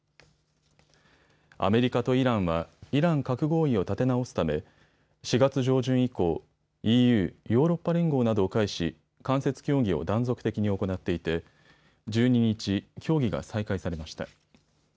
アメリカとイランはイラン核合意を立て直すため４月上旬以降、ＥＵ・ヨーロッパ連合などを介し間接協議を断続的に行っていて１２日、協議が再開されました。